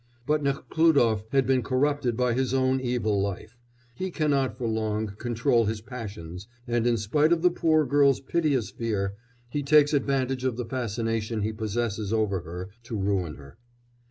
But Nekhlúdof has been corrupted by his own evil life; he cannot for long control his passions, and, in spite of the poor girl's piteous fear, he takes advantage of the fascination he possesses over her to ruin her.